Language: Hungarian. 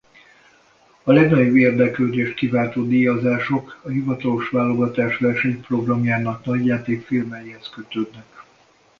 A legnagyobb érdeklődést kiváltó díjazások a hivatalos válogatás versenyprogramjának nagyjátékfilmjeihez kötődnek.